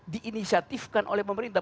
diinisiatifkan oleh pemerintah